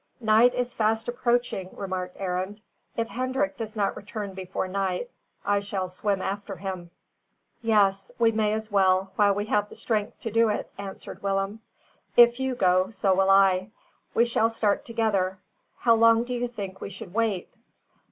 "Night is fast approaching," remarked Arend. "If Hendrik does not return before night, I shall swim after him." "Yes, we may as well, while we have the strength to do it," answered Willem. "If you go, so will I. We shall start together. How long do you think we should wait?"